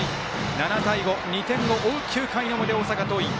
７対５２点を追う９回の表、大阪桐蔭。